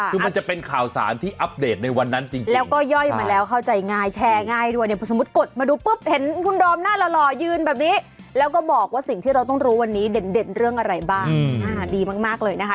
คือมันจะเป็นข่าวสารที่อัปเดตในวันนั้นจริงแล้วก็ย่อยมาแล้วเข้าใจง่ายแชร์ง่ายด้วยเนี่ยพอสมมุติกดมาดูปุ๊บเห็นคุณดอมหน้าหล่อยืนแบบนี้แล้วก็บอกว่าสิ่งที่เราต้องรู้วันนี้เด่นเรื่องอะไรบ้างดีมากเลยนะคะ